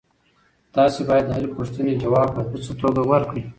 تاسي باید د هرې پوښتنې ځواب په غوڅه توګه ورکړئ.